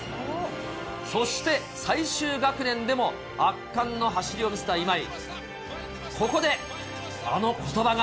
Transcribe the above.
そして最終学年でも圧巻の走りを見せた今井。